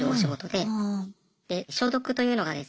で消毒というのがですね